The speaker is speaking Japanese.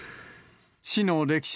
市の歴史